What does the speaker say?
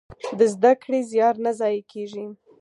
د زده کړې زيار نه ضايع کېږي.